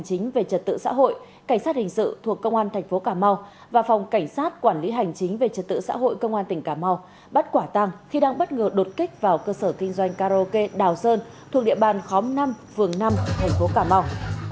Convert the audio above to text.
cảnh sát quản lý hành trình về trật tự xã hội cảnh sát hình sự thuộc công an tp cà mau và phòng cảnh sát quản lý hành trình về trật tự xã hội công an tp cà mau bắt quả tăng khi đang bất ngờ đột kích vào cơ sở kinh doanh karaoke đào sơn thuộc địa bàn khóm năm phường năm tp cà mau